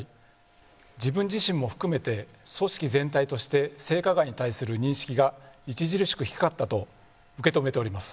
自分自身も含めて組織全体として性加害に対する認識が著しく低かったと受け止めております。